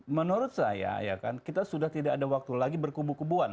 menurut saya ya kan kita sudah tidak ada waktu lagi berkubu kubuan